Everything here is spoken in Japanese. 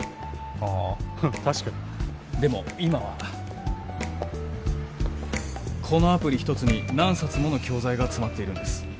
ああ確かにでも今はこのアプリ１つに何冊もの教材が詰まっているんです